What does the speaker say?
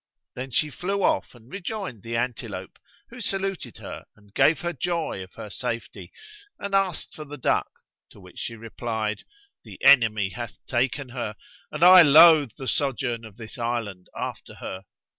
Then she flew off and rejoined the antelope, who saluted her and gave her joy of her safety and asked for the duck, to which she replied, "The enemy hath taken her, and I loathe the sojourn of this island after her."